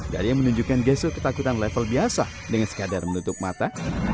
dari yang menunjukkan geser ketakutan level biasa dengan sekadar menutup mata